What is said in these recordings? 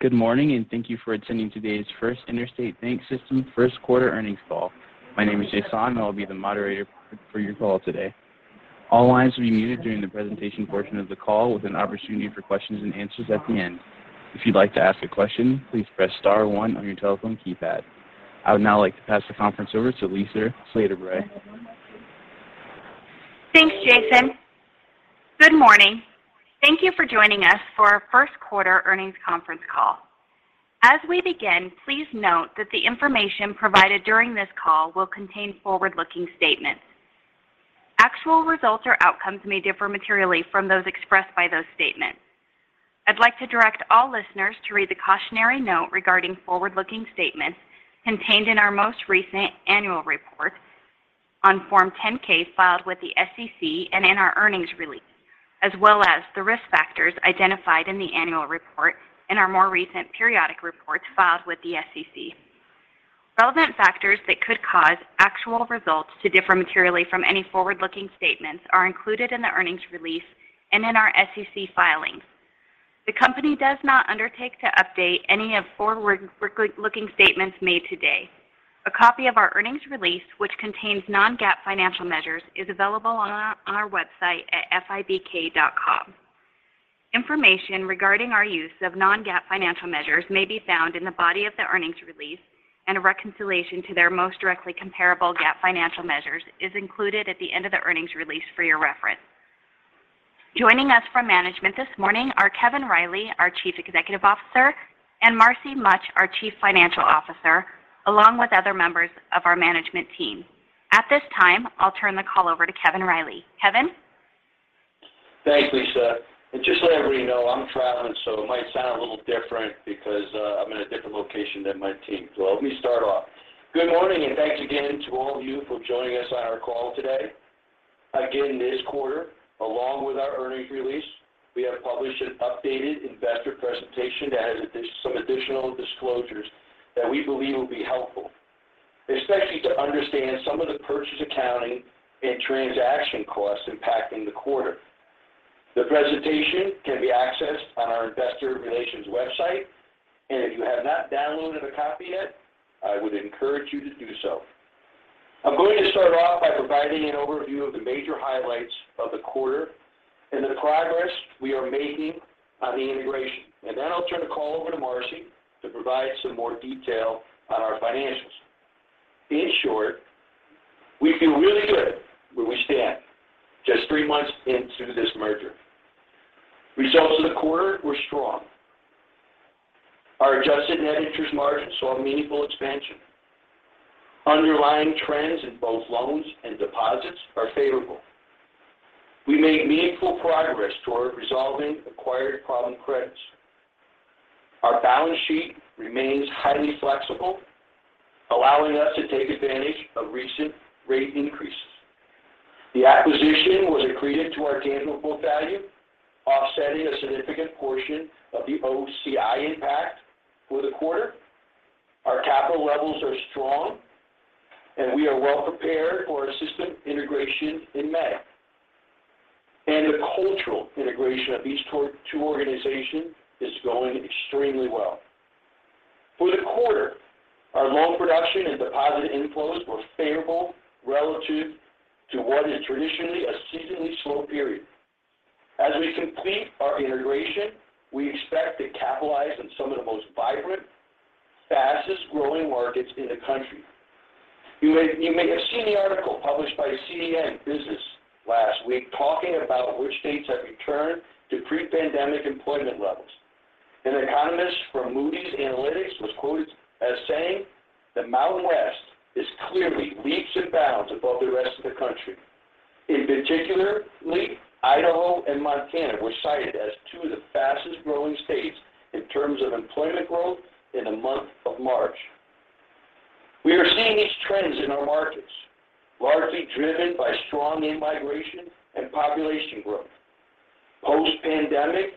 Good morning, and thank you for attending today's First Interstate BancSystem first quarter earnings call. My name is Jason, and I'll be the moderator for your call today. All lines will be muted during the presentation portion of the call with an opportunity for questions and answers at the end. If you'd like to ask a question, please press star one on your telephone keypad. I would now like to pass the conference over to Lisa Slyter-Bray. Thanks, Jason. Good morning. Thank you for joining us for our first quarter earnings conference call. As we begin, please note that the information provided during this call will contain forward-looking statements. Actual results or outcomes may differ materially from those expressed by those statements. I'd like to direct all listeners to read the cautionary note regarding forward-looking statements contained in our most recent annual report on Form 10-K filed with the SEC and in our earnings release, as well as the risk factors identified in the annual report in our more recent periodic reports filed with the SEC. Relevant factors that could cause actual results to differ materially from any forward-looking statements are included in the earnings release and in our SEC filings. The company does not undertake to update any of the forward-looking statements made today. A copy of our earnings release, which contains non-GAAP financial measures, is available on our website at fibk.com. Information regarding our use of non-GAAP financial measures may be found in the body of the earnings release and a reconciliation to their most directly comparable GAAP financial measures is included at the end of the earnings release for your reference. Joining us from management this morning are Kevin Riley, our Chief Executive Officer, and Marcy Mutch, our Chief Financial Officer, along with other members of our management team. At this time, I'll turn the call over to Kevin Riley. Kevin? Thanks, Lisa. Just to let everybody know, I'm traveling, so it might sound a little different because I'm in a different location than my team. Let me start off. Good morning, and thanks again to all of you for joining us on our call today. Again, this quarter, along with our earnings release, we have published an updated investor presentation that has some additional disclosures that we believe will be helpful, especially to understand some of the purchase accounting and transaction costs impacting the quarter. The presentation can be accessed on our investor relations website. If you have not downloaded a copy yet, I would encourage you to do so. I'm going to start off by providing an overview of the major highlights of the quarter and the progress we are making on the integration. I'll turn the call over to Marcy to provide some more detail on our financials. In short, we feel really good where we stand just three months into this merger. Results for the quarter were strong. Our adjusted net interest margin saw a meaningful expansion. Underlying trends in both loans and deposits are favorable. We made meaningful progress toward resolving acquired problem credits. Our balance sheet remains highly flexible, allowing us to take advantage of recent rate increases. The acquisition was accretive to our tangible book value, offsetting a significant portion of the OCI impact for the quarter. Our capital levels are strong, and we are well prepared for our system integration in May. The cultural integration of these two organizations is going extremely well. For the quarter, our loan production and deposit inflows were favorable relative to what is traditionally a seasonally slow period. As we complete our integration, we expect to capitalize on some of the most vibrant, fastest-growing markets in the country. You may have seen the article published by CNN Business last week talking about which states have returned to pre-pandemic employment levels. An economist from Moody's Analytics was quoted as saying the Mountain West is clearly leaps and bounds above the rest of the country. In particular, Idaho and Montana were cited as two of the fastest-growing states in terms of employment growth in the month of March. We are seeing these trends in our markets, largely driven by strong in-migration and population growth. Post-pandemic,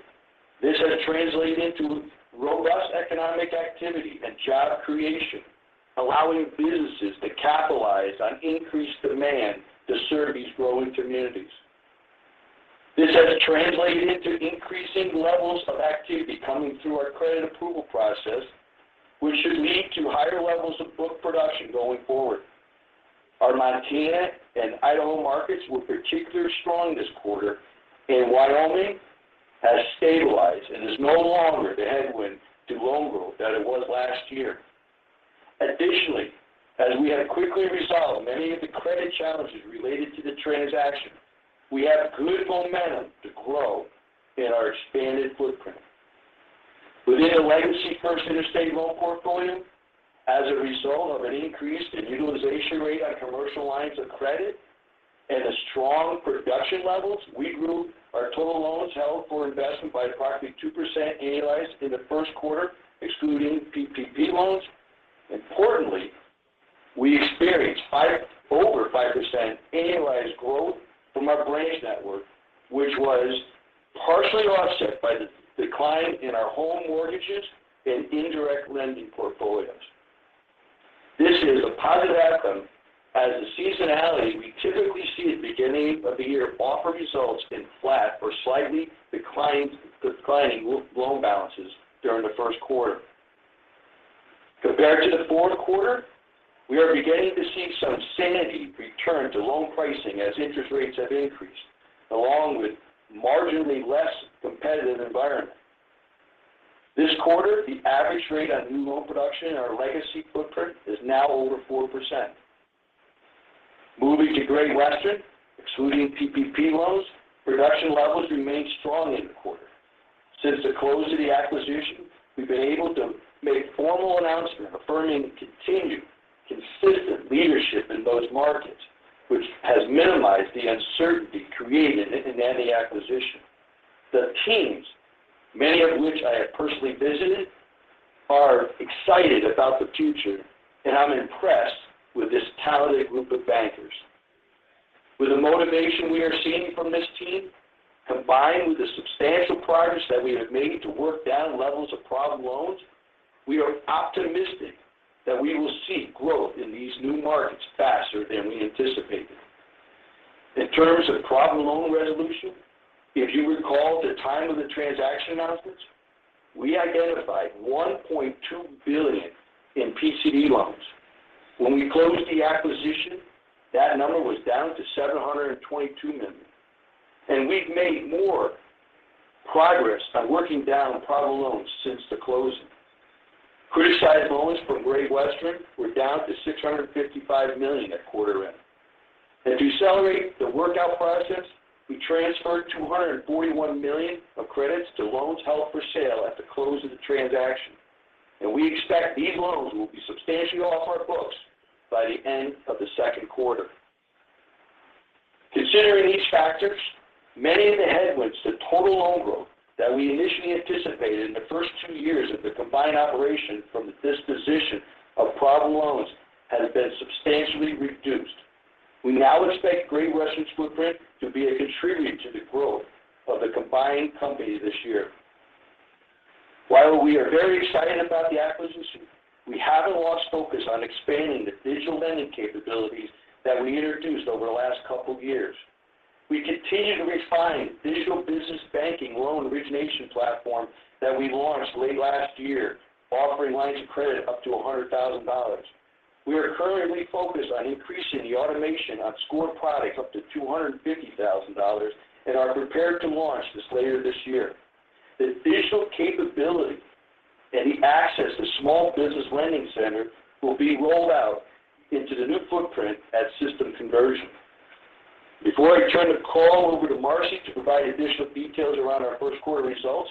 this has translated into robust economic activity and job creation, allowing businesses to capitalize on increased demand to serve these growing communities. This has translated into increasing levels of activity coming through our credit approval process, which should lead to higher levels of book production going forward. Our Montana and Idaho markets were particularly strong this quarter, and Wyoming has stabilized and is no longer the headwind to loan growth that it was last year. Additionally, as we have quickly resolved many of the credit challenges related to the transaction, we have good momentum to grow in our expanded footprint. Within the legacy First Interstate loan portfolio, as a result of an increase in utilization rate on commercial lines of credit and the strong production levels, we grew our total loans held for investment by approximately 2% annualized in the first quarter, excluding PPP loans. Importantly, we experienced over 5% annualized growth from our branch network, which was partially offset by the decline in our home mortgages and indirect lending portfolios. This is a positive outcome as the seasonality we typically see at the beginning of the year often results in flat or slightly declining loan balances during the first quarter. Compared to the fourth quarter, we are beginning to see some sanity return to loan pricing as interest rates have increased along with a marginally less competitive environment. This quarter, the average rate on new loan production in our legacy footprint is now over 4%. Moving to Great Western, excluding PPP loans, production levels remained strong in the quarter. Since the close of the acquisition, we've been able to make a formal announcement affirming continued consistent leadership in those markets, which has minimized the uncertainty created in the acquisition. The teams, many of which I have personally visited, are excited about the future, and I'm impressed with this talented group of bankers. With the motivation we are seeing from this team, combined with the substantial progress that we have made to work down levels of problem loans, we are optimistic that we will see growth in these new markets faster than we anticipated. In terms of problem loan resolution, if you recall at the time of the transaction announcements, we identified $1.2 billion in PCD loans. When we closed the acquisition, that number was down to $722 million. We've made more progress on working down problem loans since the closing. Criticized loans from Great Western were down to $655 million at quarter end. To accelerate the workout process, we transferred $241 million of credits to loans held for sale at the close of the transaction. We expect these loans will be substantially off our books by the end of the second quarter. Considering these factors, managing the headwinds to total loan growth that we initially anticipated in the first two years of the combined operation from the disposition of problem loans has been substantially reduced. We now expect Great Western's footprint to be a contributor to the growth of the combined company this year. While we are very excited about the acquisition, we haven't lost focus on expanding the digital lending capabilities that we introduced over the last couple of years. We continue to refine digital business banking loan origination platform that we launched late last year, offering lines of credit up to $100,000. We are currently focused on increasing the automation on scored products up to $250,000 and are prepared to launch this later this year. The digital capability and the access to small business lending center will be rolled out into the new footprint at system conversion. Before I turn the call over to Marcy to provide additional details around our first quarter results,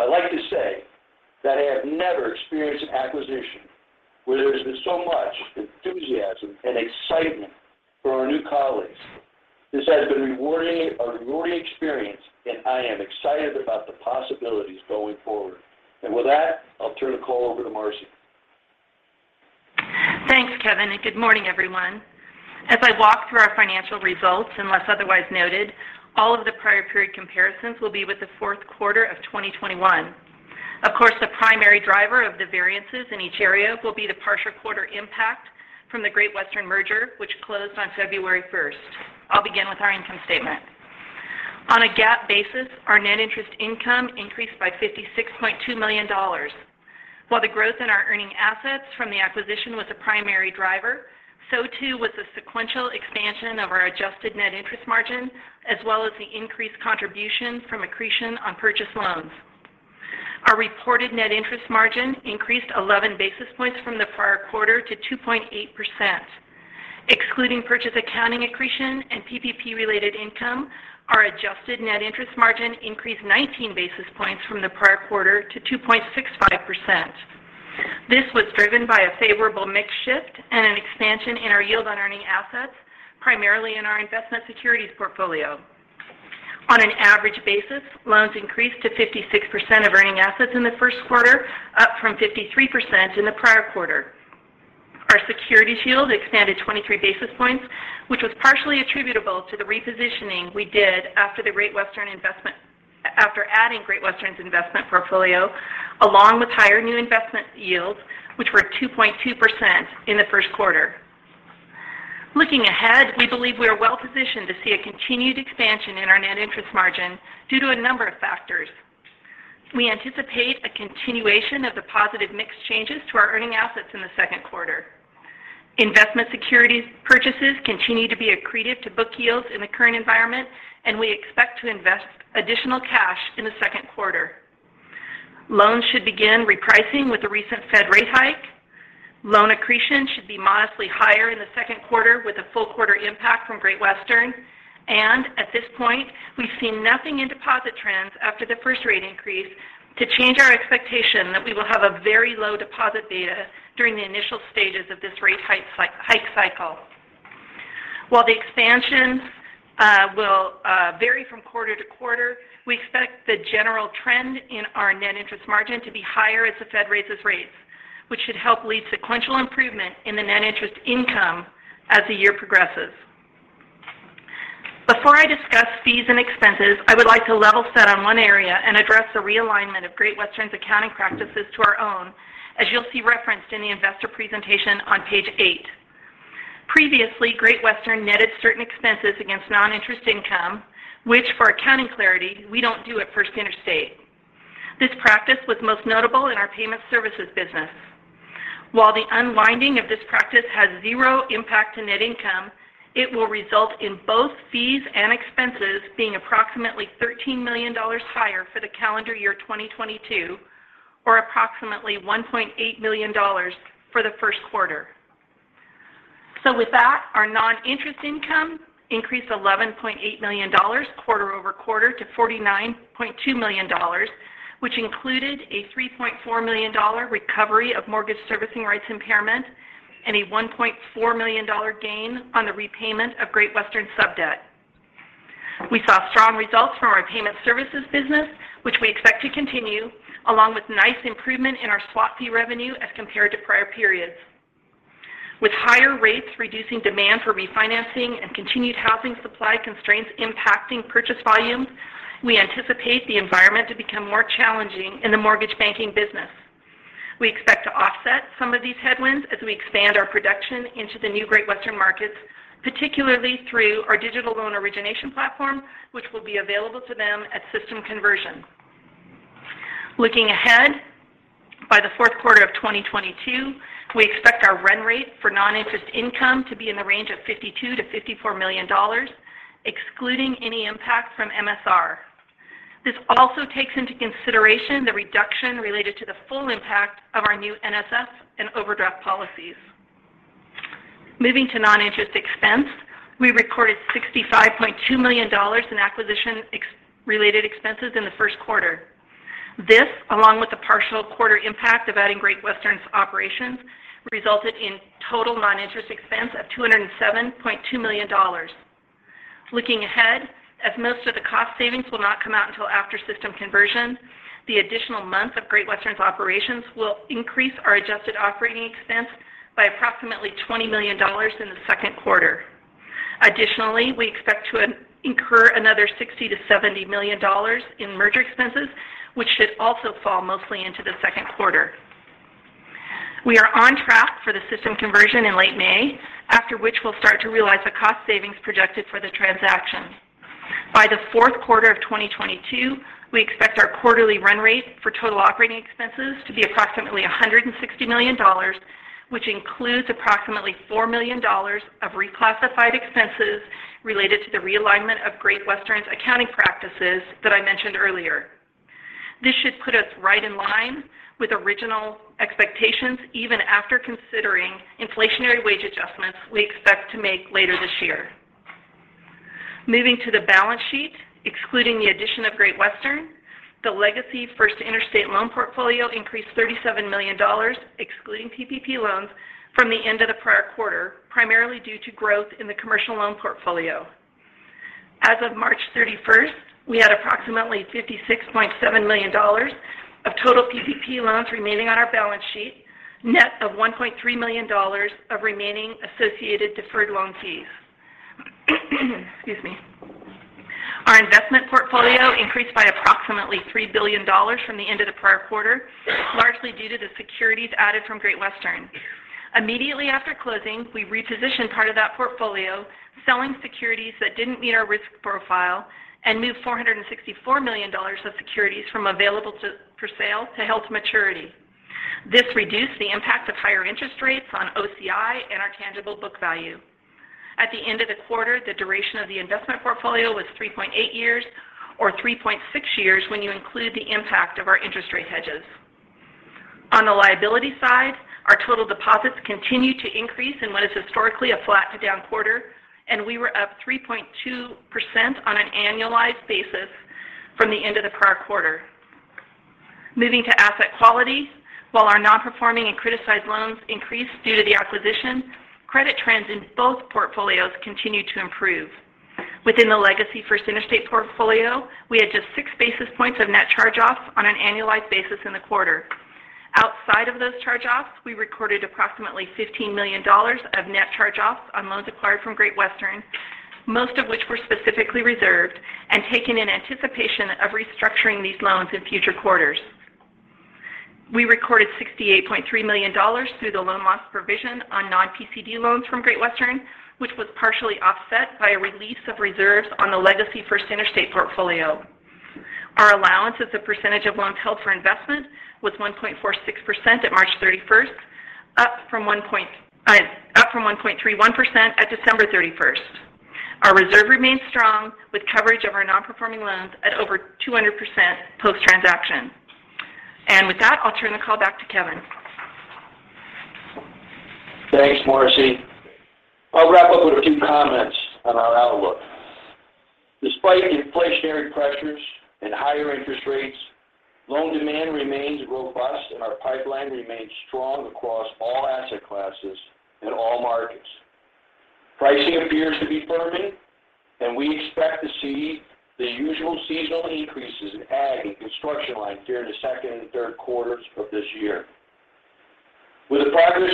I'd like to say that I have never experienced an acquisition where there's been so much enthusiasm and excitement for our new colleagues. This has been rewarding, a rewarding experience, and I am excited about the possibilities going forward. With that, I'll turn the call over to Marcy. Thanks, Kevin, and good morning, everyone. As I walk through our financial results, unless otherwise noted, all of the prior period comparisons will be with the fourth quarter of 2021. Of course, the primary driver of the variances in each area will be the partial quarter impact from the Great Western merger, which closed on February 1. I'll begin with our income statement. On a GAAP basis, our net interest income increased by $56.2 million. While the growth in our earning assets from the acquisition was a primary driver, so too was the sequential expansion of our adjusted net interest margin, as well as the increased contribution from accretion on purchase loans. Our reported net interest margin increased 11 basis points from the prior quarter to 2.8%. Excluding purchase accounting accretion and PPP-related income, our adjusted net interest margin increased 19 basis points from the prior quarter to 2.65%. This was driven by a favorable mix shift and an expansion in our yield on earning assets, primarily in our investment securities portfolio. On an average basis, loans increased to 56% of earning assets in the first quarter, up from 53% in the prior quarter. Our securities yield expanded 23 basis points, which was partially attributable to the repositioning we did after adding Great Western's investment portfolio, along with higher new investment yields, which were 2.2% in the first quarter. Looking ahead, we believe we are well positioned to see a continued expansion in our net interest margin due to a number of factors. We anticipate a continuation of the positive mix changes to our earning assets in the second quarter. Investment securities purchases continue to be accretive to book yields in the current environment, and we expect to invest additional cash in the second quarter. Loans should begin repricing with the recent Fed rate hike. Loan accretion should be modestly higher in the second quarter with a full quarter impact from Great Western. At this point, we've seen nothing in deposit trends after the first rate increase to change our expectation that we will have a very low deposit beta during the initial stages of this rate hike cycle. While the expansion will vary from quarter to quarter, we expect the general trend in our net interest margin to be higher as the Fed raises rates, which should help lead sequential improvement in the net interest income as the year progresses. Before I discuss fees and expenses, I would like to level set on one area and address the realignment of Great Western's accounting practices to our own, as you'll see referenced in the investor presentation on page eight. Previously, Great Western netted certain expenses against non-interest income, which for accounting clarity, we don't do at First Interstate. This practice was most notable in our payment services business. While the unwinding of this practice has zero impact to net income, it will result in both fees and expenses being approximately $13 million higher for the calendar year 2022 or approximately $1.8 million for the first quarter. With that, our non-interest income increased $11.8 million quarter-over-quarter to $49.2 million, which included a $3.4 million-dollar recovery of mortgage servicing rights impairment and a $1.4 million-dollar gain on the repayment of Great Western sub debt. We saw strong results from our payment services business, which we expect to continue, along with nice improvement in our swap fee revenue as compared to prior periods. With higher rates reducing demand for refinancing and continued housing supply constraints impacting purchase volumes, we anticipate the environment to become more challenging in the mortgage banking business. We expect to offset some of these headwinds as we expand our production into the new Great Western markets, particularly through our digital loan origination platform, which will be available to them at system conversion. Looking ahead, by the fourth quarter of 2022, we expect our run rate for non-interest income to be in the range of $52 million-$54 million, excluding any impact from MSR. This also takes into consideration the reduction related to the full impact of our new NSF and overdraft policies. Moving to non-interest expense, we recorded $65.2 million in acquisition-related expenses in the first quarter. This, along with the partial quarter impact of adding Great Western's operations, resulted in total non-interest expense of $207.2 million. Looking ahead, as most of the cost savings will not come out until after system conversion, the additional month of Great Western's operations will increase our adjusted operating expense by approximately $20 million in the second quarter. Additionally, we expect to incur another $60 million-$70 million in merger expenses, which should also fall mostly into the second quarter. We are on track for the system conversion in late May, after which we'll start to realize the cost savings projected for the transaction. By the fourth quarter of 2022, we expect our quarterly run rate for total operating expenses to be approximately $160 million, which includes approximately $4 million of reclassified expenses related to the realignment of Great Western's accounting practices that I mentioned earlier. This should put us right in line with original expectations even after considering inflationary wage adjustments we expect to make later this year. Moving to the balance sheet, excluding the addition of Great Western, the legacy First Interstate loan portfolio increased $37 million, excluding PPP loans from the end of the prior quarter, primarily due to growth in the commercial loan portfolio. As of March 31, we had approximately $56.7 million of total PPP loans remaining on our balance sheet, net of $1.3 million of remaining associated deferred loan fees. Excuse me. Our investment portfolio increased by approximately $3 billion from the end of the prior quarter, largely due to the securities added from Great Western. Immediately after closing, we repositioned part of that portfolio, selling securities that didn't meet our risk profile and moved $464 million of securities from available for sale to held to maturity. This reduced the impact of higher interest rates on OCI and our tangible book value. At the end of the quarter, the duration of the investment portfolio was 3.8 years or 3.6 years when you include the impact of our interest rate hedges. On the liability side, our total deposits continued to increase in what is historically a flat to down quarter, and we were up 3.2% on an annualized basis from the end of the prior quarter. Moving to asset quality, while our non-performing and criticized loans increased due to the acquisition, credit trends in both portfolios continued to improve. Within the legacy First Interstate portfolio, we had just 6 basis points of net charge-offs on an annualized basis in the quarter. Outside of those charge-offs, we recorded approximately $15 million of net charge-offs on loans acquired from Great Western, most of which were specifically reserved and taken in anticipation of restructuring these loans in future quarters. We recorded $68.3 million through the loan loss provision on non-PCD loans from Great Western, which was partially offset by a release of reserves on the legacy First Interstate portfolio. Our allowance as a percentage of loans held for investment was 1.46% at March thirty-first, up from 1.31% at December thirty-first. Our reserve remains strong with coverage of our non-performing loans at over 200% post-transaction. With that, I'll turn the call back to Kevin. Thanks, Marcy. I'll wrap up with a few comments on our outlook. Despite inflationary pressures and higher interest rates, loan demand remains robust and our pipeline remains strong across all asset classes in all markets. Pricing appears to be firming, and we expect to see the usual seasonal increases in ag and construction lines during the second and third quarters of this year. With the progress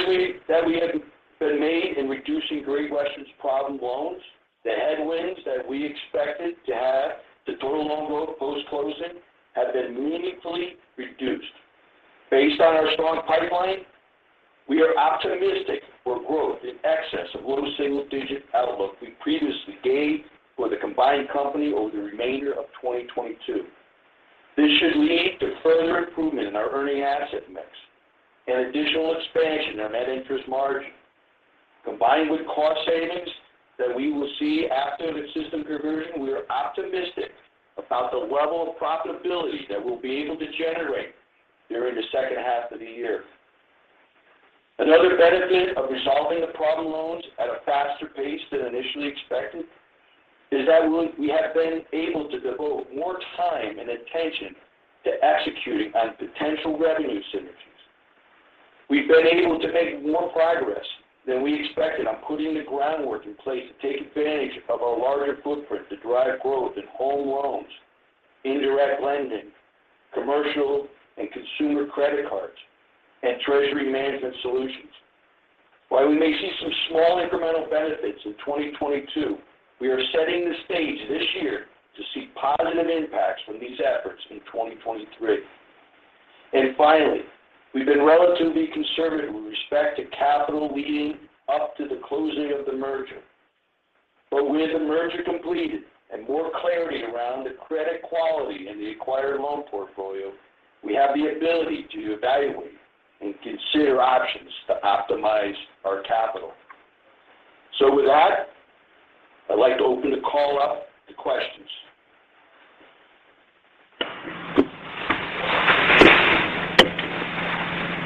that we have made in reducing Great Western's problem loans, the headwinds that we expected to have to total loan growth post-closing have been meaningfully reduced. Based on our strong pipeline, we are optimistic for growth in excess of low single-digit outlook we previously gave for the combined company over the remainder of 2022. This should lead to further improvement in our earning asset mix and additional expansion of net interest margin. Combined with cost savings that we will see after the system conversion, we are optimistic about the level of profitability that we'll be able to generate during the second half of the year. Another benefit of resolving the problem loans at a faster pace than initially expected is that we have been able to devote more time and attention to executing on potential revenue synergies. We've been able to make more progress than we expected on putting the groundwork in place to take advantage of our larger footprint to drive growth in home loans, indirect lending, commercial and consumer credit cards, and treasury management solutions. While we may see some small incremental benefits in 2022, we are setting the stage this year to see positive impacts from these efforts in 2023. Finally, we've been relatively conservative with respect to capital leading up to the closing of the merger. With the merger completed and more clarity around the credit quality in the acquired loan portfolio, we have the ability to evaluate and consider options to optimize our capital. With that, I'd like to open the call up to questions.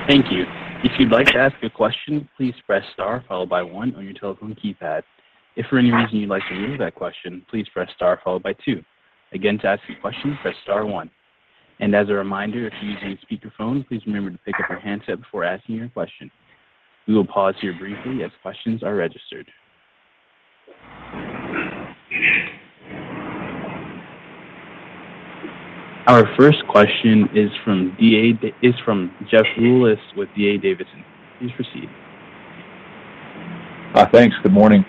Thank you. If you'd like to ask a question, please press star followed by one on your telephone keypad. If for any reason you'd like to remove that question, please press star followed by two. Again, to ask a question, press star one. As a reminder, if you're using a speakerphone, please remember to pick up your handset before asking your question. We will pause here briefly as questions are registered. Our first question is from Jeff Rulis with D.A. Davidson. Please proceed. Thanks. Good morning.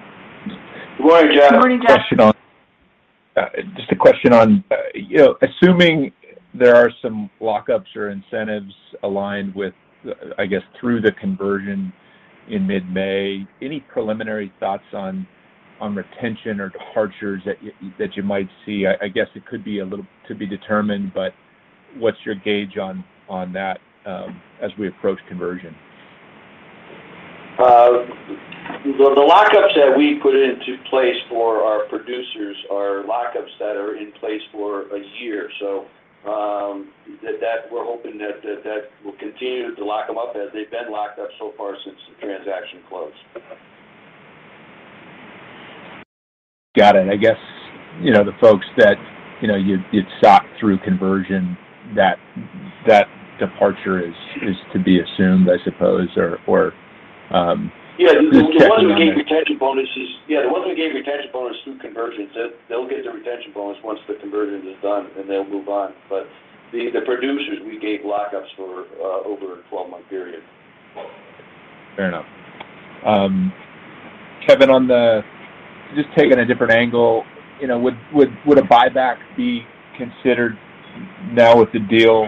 Good morning, Jeff. Good morning, Jeff. Just a question on, you know, assuming there are some lockups or incentives aligned with, I guess through the conversion in mid-May, any preliminary thoughts on retention or departures that you might see? I guess it could be a little to be determined, but what's your gauge on that, as we approach conversion? Well, the lockups that we put into place for our producers are lockups that are in place for a year. We're hoping that will continue to lock them up as they've been locked up so far since the transaction closed. Got it. I guess, you know, the folks that, you know, you'd walk through conversion that departure is to be assumed, I suppose, or. Yeah, the ones we gave retention bonus through conversions, they'll get the retention bonus once the conversion is done, and they'll move on. But the producers we gave lockups for over a 12-month period. Fair enough. Kevin, on the just taking a different angle, you know, would a buyback be considered now with the deal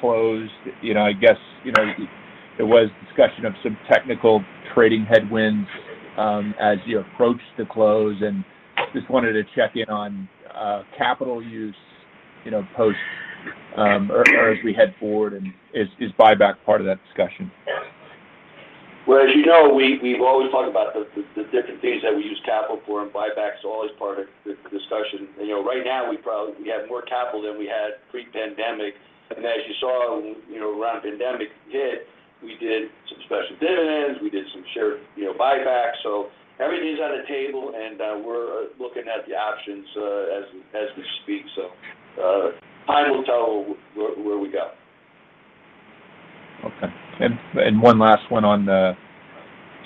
closed? You know, I guess, you know, there was discussion of some technical trading headwinds as you approach the close. Just wanted to check in on capital use, you know, post or as we head forward, and is buyback part of that discussion? As you know, we've always talked about the different things that we use capital for, and buyback's always part of the discussion. You know, right now we have more capital than we had pre-pandemic. As you saw, you know, around pandemic hit, we did some special dividends, we did some share, you know, buyback. Everything's on the table, and we're looking at the options as we speak. Time will tell where we go. Okay. One last one on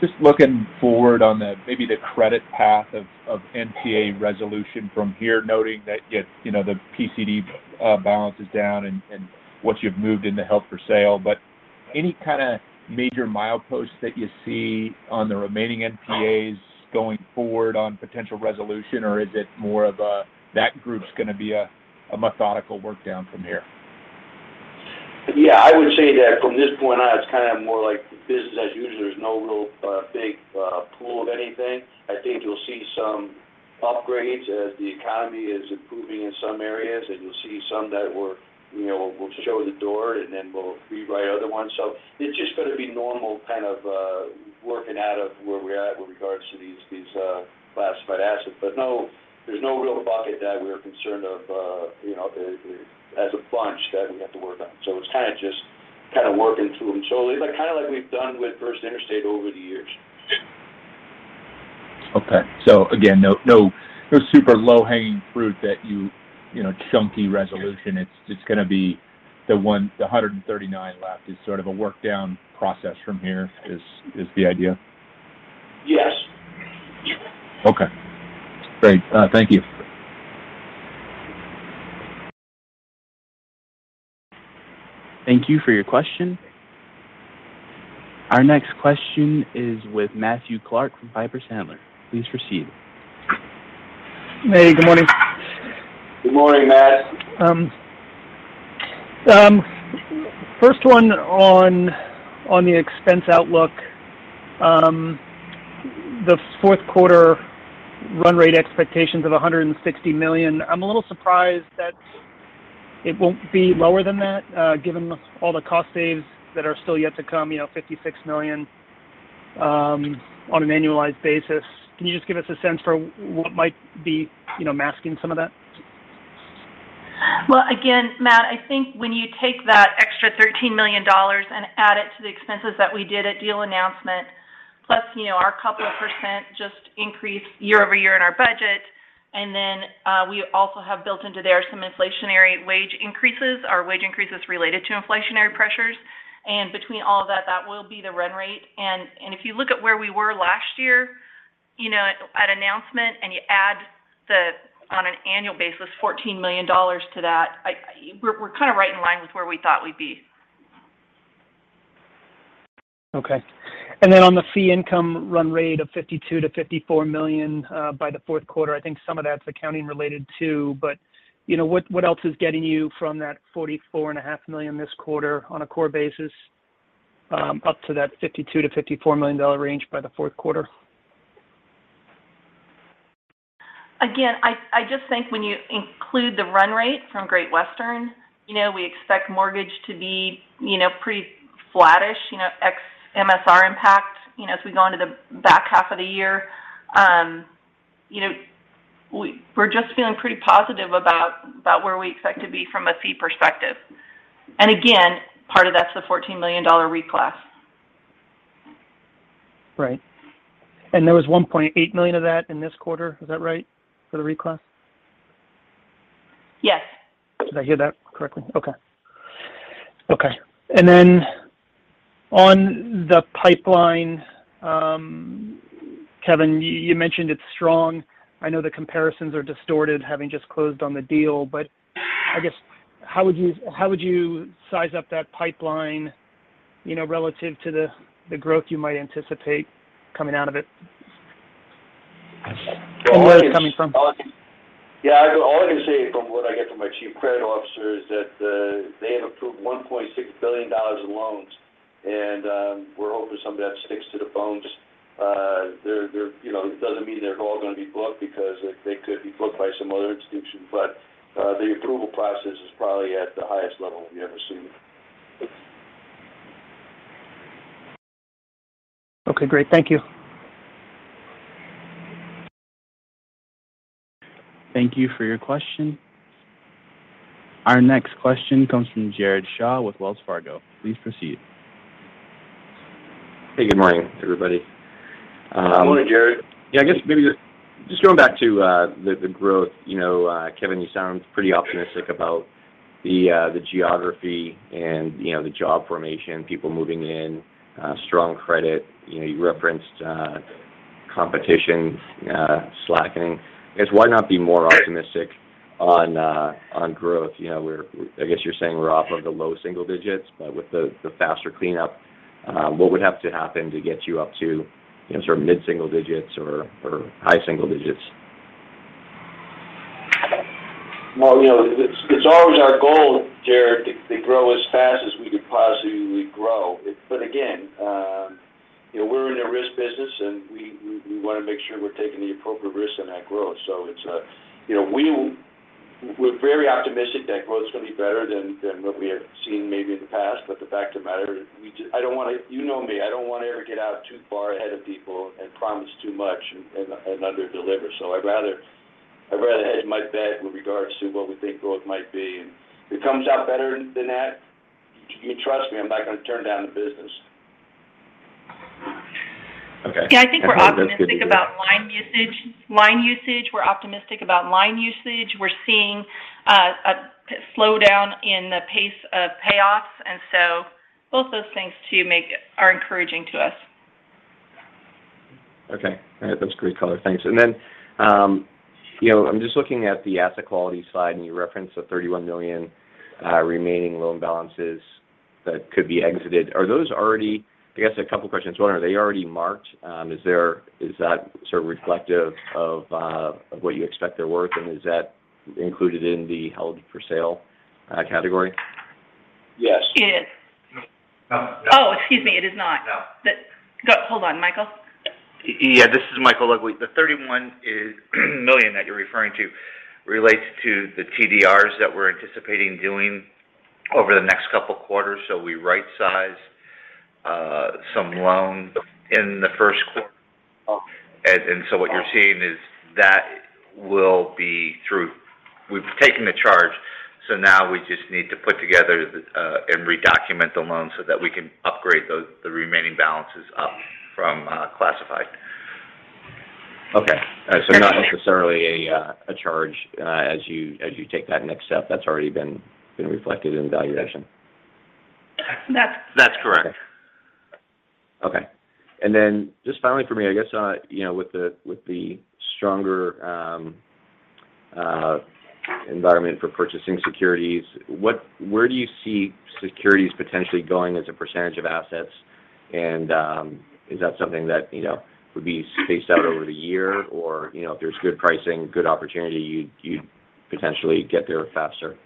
just looking forward, maybe on the credit path of NPA resolution from here, noting that, yes, you know, the PCD balance is down and what you've moved in the held for sale. Any kind of major mileposts that you see on the remaining NPAs going forward on potential resolution, or is it more of a that group's gonna be a methodical workdown from here? Yeah. I would say that from this point on, it's kind of more like business as usual. There's no real big pool of anything. I think you'll see some upgrades as the economy is improving in some areas, and you'll see some that we're, you know, we'll show the door and then we'll rewrite other ones. It's just gonna be normal kind of working out of where we're at with regards to these classified assets. No, there's no real bucket that we're concerned about, you know, as a bunch that we have to work on. It's kind of just kind of working through them slowly, but kind of like we've done with First Interstate over the years. Okay. Again, no super low-hanging fruit that you know chunky resolution. It's gonna be the 139 left is sort of a workdown process from here is the idea? Yes. Okay. Great. Thank you. Thank you for your question. Our next question is with Matthew Clark from Piper Sandler. Please proceed. Hey, good morning. Good morning, Matthew. First one on the expense outlook. The fourth quarter run rate expectations of $160 million. I'm a little surprised that it won't be lower than that, given all the cost savings that are still yet to come, you know, $56 million, on an annualized basis. Can you just give us a sense for what might be, you know, masking some of that? Well, again, Matthew, I think when you take that extra $13 million and add it to the expenses that we did at deal announcement, plus, you know, our couple of percent just increase year over year in our budget. We also have built into there some inflationary wage increases. Our wage increase is related to inflationary pressures. Between all of that will be the run rate. If you look at where we were last year, you know, at announcement, and you add the, on an annual basis, $14 million to that, we're kind of right in line with where we thought we'd be. Okay. Then on the fee income run rate of $52 million-$54 million by the fourth quarter, I think some of that's accounting related, too. You know, what else is getting you from that $44.5 million this quarter on a core basis up to that $52 million-$54 million range by the fourth quarter? Again, I just think when you include the run rate from Great Western, you know, we expect mortgage to be, you know, pretty flattish, you know, ex MSR impact, you know, as we go into the back half of the year. You know, we're just feeling pretty positive about where we expect to be from a fee perspective. Again, part of that's the $14 million reclass. Right. There was $1.8 million of that in this quarter. Is that right for the reclass? Yes. Did I hear that correctly? Okay. Okay. Then on the pipeline, Kevin, you mentioned it's strong. I know the comparisons are distorted having just closed on the deal, but I guess, how would you size up that pipeline, you know, relative to the growth you might anticipate coming out of it? Where it's coming from? Yeah. All I can say from what I get from my Chief Credit Officer is that they have approved $1.6 billion in loans, and we're hoping some of that sticks to the bones. They're, you know, it doesn't mean they're all going to be booked because they could be booked by some other institution. The approval process is probably at the highest level we've ever seen. Okay, great. Thank you. Thank you for your question. Our next question comes from Jared Shaw with Wells Fargo. Please proceed. Hey, good morning, everybody. Good morning, Jared. Yeah, I guess maybe just going back to the growth. You know, Kevin, you sound pretty optimistic about the geography and, you know, the job formation, people moving in, strong credit. You know, you referenced competition slackening. I guess why not be more optimistic on growth? You know, I guess you're saying we're off of the low single digits, but with the faster cleanup, what would have to happen to get you up to, you know, sort of mid single digits or high single digits? Well, you know, it's always our goal, Jared, to grow as fast as we could possibly grow. Again, you know, we're in a risk business, and we want to make sure we're taking the appropriate risk in that growth. It's, you know, we're very optimistic that growth is going to be better than what we have seen maybe in the past. The fact of the matter is, you know me, I don't want to ever get out too far ahead of people and promise too much and underdeliver. I'd rather hedge my bet with regards to what we think growth might be. If it comes out better than that, you can trust me, I'm not gonna turn down the business. Okay. Yeah. I think we're optimistic about line usage. We're seeing a slowdown in the pace of payoffs. Both those things too are encouraging to us. Okay. All right. That's great color. Thanks. You know, I'm just looking at the asset quality slide, and you referenced the $31 million remaining loan balances that could be exited. Are those already marked? I guess a couple of questions. One, are they already marked? Is that sort of reflective of what you expect their worth? And is that included in the held for sale category? Yes. It is. No. No. Oh, excuse me, it is not. No. No. Hold on, Michael. Yeah, this is Michael. Look, the $31 million that you're referring to relates to the TDRs that we're anticipating doing over the next couple quarters. We right-size some loans in the first quarter. Okay. What you're seeing is that will be through. We've taken the charge, so now we just need to put together the and redocument the loan so that we can upgrade those, the remaining balances up from classified. Okay. Not necessarily a charge as you take that next step. That's already been reflected in valuation. That's- That's correct. Just finally for me, I guess, you know, with the stronger environment for purchasing securities, where do you see securities potentially going as a percentage of assets? Is that something that, you know, would be spaced out over the year? You know, if there's good pricing, good opportunity, you'd potentially get there faster?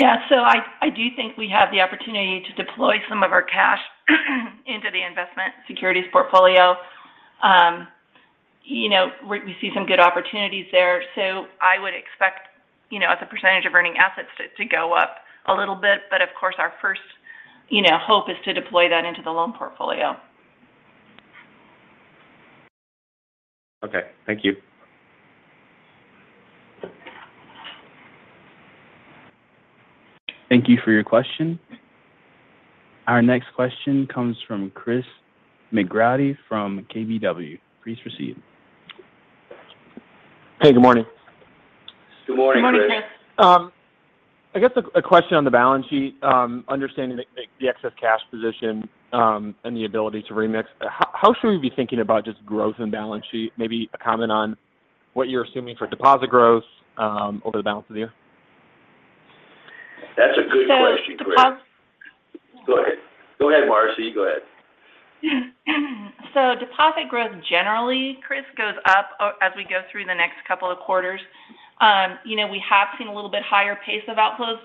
I do think we have the opportunity to deploy some of our cash into the investment securities portfolio. You know, we see some good opportunities there. I would expect, you know, as a percentage of earning assets to go up a little bit. Of course our first, you know, hope is to deploy that into the loan portfolio. Okay. Thank you. Thank you for your question. Our next question comes from Christopher McGratty from KBW. Please proceed. Hey, good morning. Good morning, Chris. Good morning, Chris. I guess a question on the balance sheet, understanding the excess cash position, and the ability to remix. How should we be thinking about just growth and balance sheet? Maybe a comment on what you're assuming for deposit growth, over the balance of the year. That's a good question, Chris. Deposit- Go ahead. Go ahead, Marcy. Go ahead. Deposit growth generally, Chris, goes up as we go through the next couple of quarters. You know, we have seen a little bit higher pace of outflows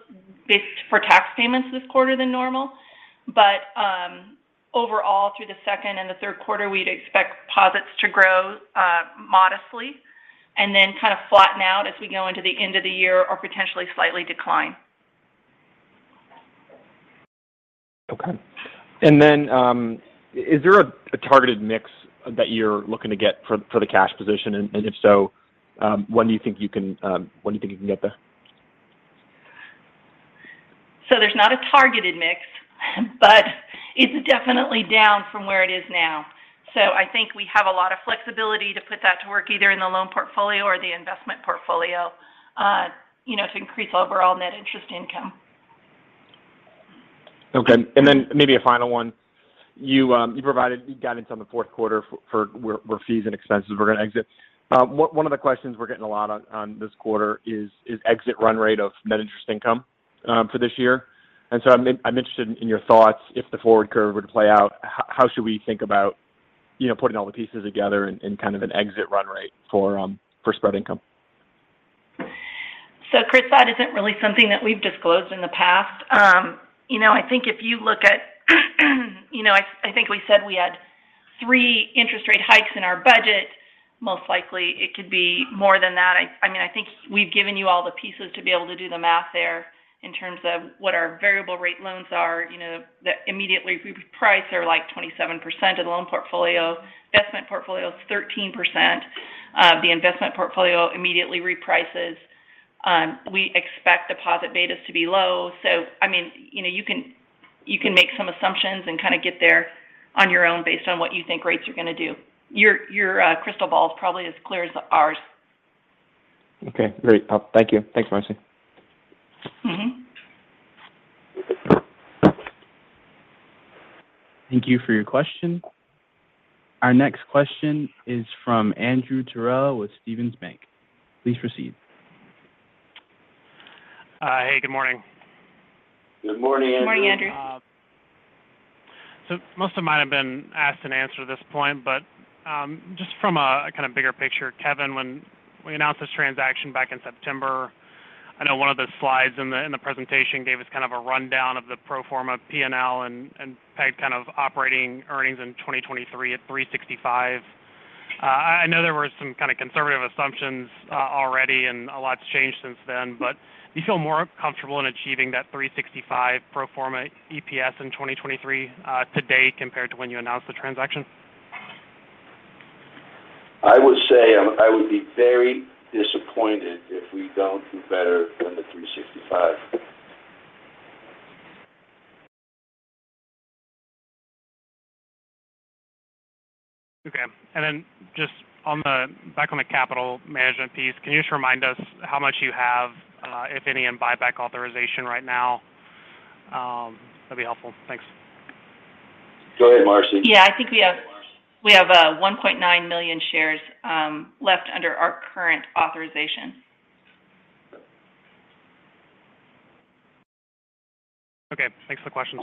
for tax payments this quarter than normal. Overall through the second and the third quarter, we'd expect deposits to grow modestly and then kind of flatten out as we go into the end of the year or potentially slightly decline. Okay. Is there a targeted mix that you're looking to get for the cash position? If so, when do you think you can get there? There's not a targeted mix, but it's definitely down from where it is now. I think we have a lot of flexibility to put that to work either in the loan portfolio or the investment portfolio, you know, to increase overall net interest income. Okay. Then maybe a final one. You provided guidance on the fourth quarter for where fees and expenses were going to exit. One of the questions we're getting a lot on this quarter is exit run rate of net interest income for this year. I'm interested in your thoughts if the forward curve were to play out, how should we think about, you know, putting all the pieces together in kind of an exit run rate for spread income? Chris, that isn't really something that we've disclosed in the past. You know, I think we said we had 3 interest rate hikes in our budget. Most likely it could be more than that. I mean, I think we've given you all the pieces to be able to do the math there in terms of what our variable rate loans are, you know, that immediately we price are like 27% of the loan portfolio. Investment portfolio is 13%. The investment portfolio immediately reprices. We expect deposit betas to be low. I mean, you know, you can make some assumptions and kind of get there on your own based on what you think rates are gonna do. Your crystal ball is probably as clear as ours. Okay. Great. Thank you. Thanks, Marcy. Mm-hmm. Thank you for your question. Our next question is from Andrew Terrell with Stephens. Please proceed. Hey, good morning. Good morning, Andrew. Good morning, Andrew. most of mine have been asked and answered at this point, just from a kind of bigger picture, Kevin, when we announced this transaction back in September, I know one of the slides in the presentation gave us kind of a rundown of the pro forma P&L and provided kind of operating earnings in 2023 at $3.65. I know there were some kind of conservative assumptions already and a lot's changed since then. Do you feel more comfortable in achieving that $3.65 pro forma EPS in 2023 today compared to when you announced the transaction? I would say I would be very disappointed if we don't do better than 365. Okay. Just back on the capital management piece, can you just remind us how much you have, if any, in buyback authorization right now? That'd be helpful. Thanks. Go ahead, Marcy. Yeah, I think we have. Go ahead, Marcy.... we have 1.9 million shares left under our current authorization. Okay. Thanks for the question.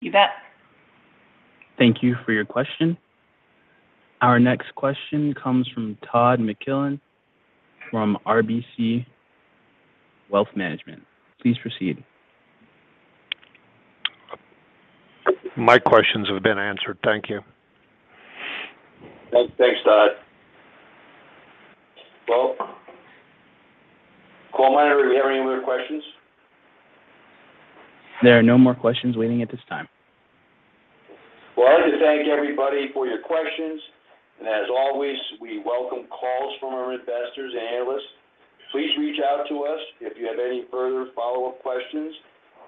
You bet. Thank you for your question. Our next question comes from Todd Milliken from RBC Capital Markets. Please proceed. My questions have been answered. Thank you. Thanks. Thanks, Todd. Well, call monitor, do we have any other questions? There are no more questions waiting at this time. Well, I'd like to thank everybody for your questions. As always, we welcome calls from our investors and analysts. Please reach out to us if you have any further follow-up questions.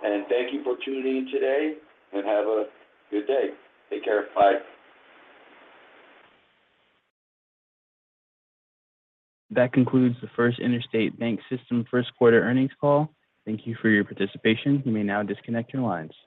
Thank you for tuning in today, and have a good day. Take care. Bye. That concludes the First Interstate BancSystem first quarter earnings call. Thank you for your participation. You may now disconnect your lines.